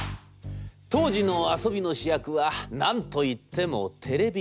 当時の遊びの主役は何と言ってもテレビゲーム。